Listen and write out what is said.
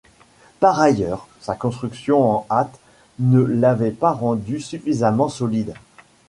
Par ailleurs, sa construction en hâte ne l'avait pas rendu suffisamment solide.